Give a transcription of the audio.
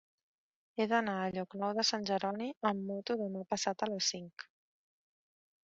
He d'anar a Llocnou de Sant Jeroni amb moto demà passat a les cinc.